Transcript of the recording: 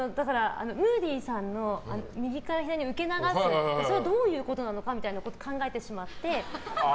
ムーディさんの右から左に受け流すってそれ、どういうことなのかって考えてしまって。